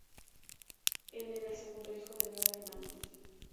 Él era el segundo hijo de nueve hermanos.